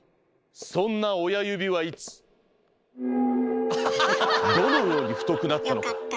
そんな親指はいつどのように太くなったのか。